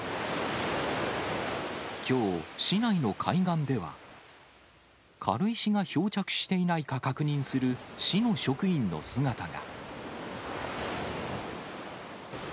きょう、市内の海岸では、軽石が漂着していないか確認する市の職員の姿が。